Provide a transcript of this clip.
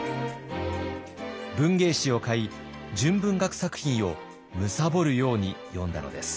文芸誌を買い純文学作品を貪るように読んだのです。